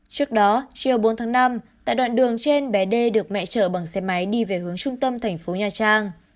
trước đó chiều bốn tháng năm tại đoạn đường trên bé đê được mẹ chở bằng xe máy đi về hướng trung tâm thành phố nha trang